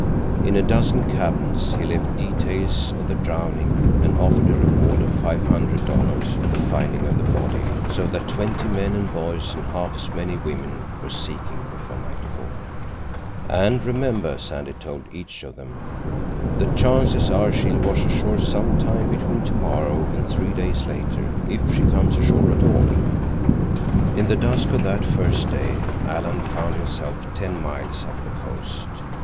In a dozen cabins he left details of the drowning and offered a reward of five hundred dollars for the finding of the body, so that twenty men and boys and half as many women were seeking before nightfall. "And remember," Sandy told each of them, "the chances are she'll wash ashore sometime between tomorrow and three days later, if she comes ashore at all." In the dusk of that first day Alan found himself ten miles up the coast.